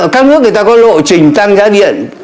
các nước người ta có lộ trình tăng giá điện